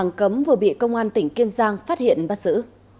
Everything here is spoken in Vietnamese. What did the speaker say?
một hàng cấm vừa bị công an tỉnh kiên giang phát hiện bắt giữ